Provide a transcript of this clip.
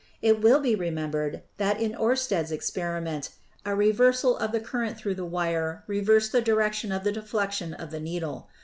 It will be remembered that in Oersted's experiment a reversal of the current through the wire reversed the direction of the deflection of the needle.